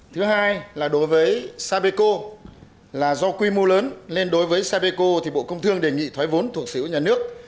thứ hai là đối với sapeco là do quy mô lớn nên đối với sapeco thì bộ công thương đề nghị thoái vốn thuộc sở hữu nhà nước